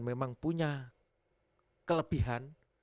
memang punya kelebihan